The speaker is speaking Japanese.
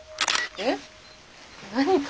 えっ。